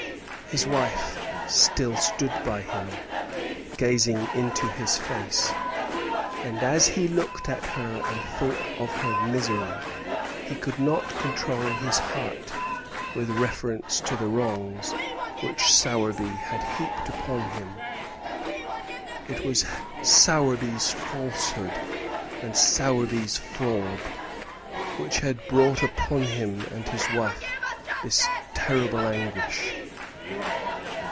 His wife still stood by him, gazing into his face; and as he looked at her and thought of her misery, he could not control his heart with reference to the wrongs which Sowerby had heaped on him. It was Sowerby's falsehood and Sowerby's fraud which had brought upon him and his wife this terrible anguish.